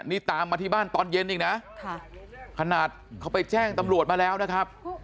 นี่ตามมาที่บ้านตอนเย็นอีกนะขนาดเขาไปแจ้งตำรวจมาแล้วนะครับ